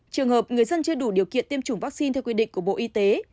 trường hợp người dân chưa đủ điều kiện tiêm chủng vaccine theo quy định của bộ y tế